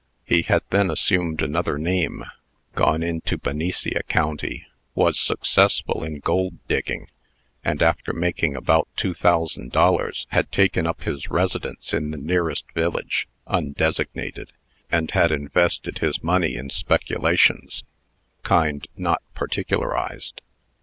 He had then assumed another name, gone into Benicia County, was successful in gold digging, and, after making about two thousand dollars, had taken up his residence in the nearest village (undesignated), and had invested his money in speculations (kind not particularized).